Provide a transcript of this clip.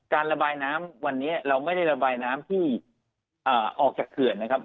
ระบายน้ำวันนี้เราไม่ได้ระบายน้ำที่ออกจากเขื่อนนะครับ